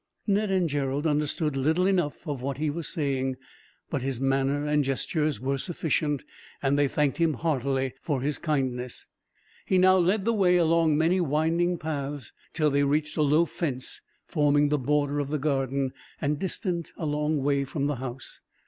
Ned and Gerald understood little enough of what he was saying, but his manner and gestures were sufficient, and they thanked him heartily for his kindness. He now led the way, along many winding paths, till they reached a low fence forming the border of the garden, and distant a long way from the house.